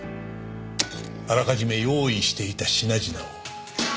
あらかじめ用意していた品々を部屋に残した。